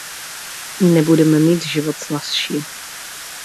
Nebudeme mít život snazší.